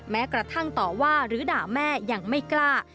แม้กระทั่งต่อว่าหรือด่าแม่ยังไม่กล้า